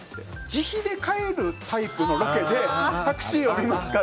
自費で帰るタイプのロケでタクシー呼びますか？